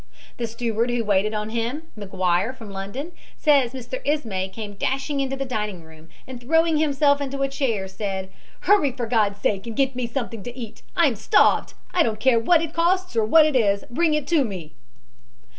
The steward who waited on him, McGuire, from London, says Mr. Ismay came dashing into the dining room, and throwing himself in a chair, said: 'Hurry, for God's sake, and get me something to eat; I'm starved. I don't care what it costs or what it is; bring it to me.'